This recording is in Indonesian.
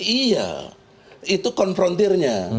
iya itu konfrontirnya